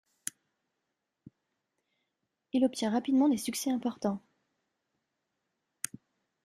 Il obtient rapidement des succès importants.